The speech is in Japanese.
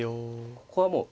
ここはもう。